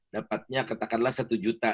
dapatnya katakanlah satu juta